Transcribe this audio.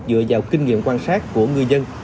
dựa vào kinh nghiệm quan sát của người dân